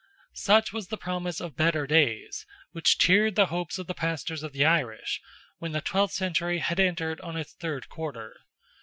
Such was the promise of better days, which cheered the hopes of the Pastors of the Irish, when the twelfth century had entered on its third quarter.